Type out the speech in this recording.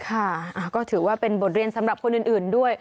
ค่ะก็ถือว่าเป็นบทเรียนสำหรับคนอื่นด้วย